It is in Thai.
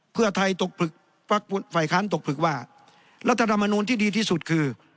เพื่อไทยตกฝ่ายค้านตกผลึกว่ารัฐธรรมนูลที่ดีที่สุดคือ